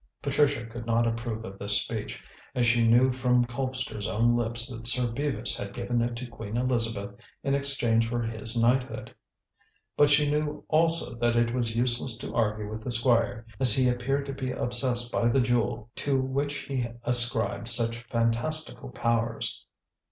Patricia could not approve of this speech, as she knew from Colpster's own lips that Sir Bevis had given it to Queen Elizabeth in exchange for his knighthood. But she knew, also, that it was useless to argue with the Squire, as he appeared to be obsessed by the Jewel, to which he ascribed such fantastical powers.